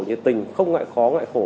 như tình không ngại khó ngại khổ